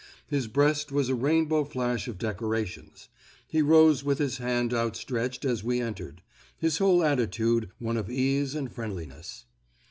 His breast was a rainbow flash of decorations. He rose with his hand outstretched as we entered; his whole attitude one of ease and friendliness.